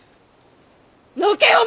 のけお万！